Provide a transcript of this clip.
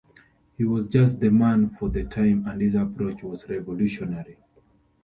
He was just the man for the time and his approach was revolutionary.